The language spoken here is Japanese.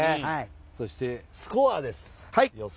そして予想スコアです。